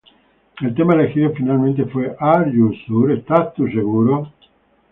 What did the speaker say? El tema elegido finalmente fue "Are You Sure?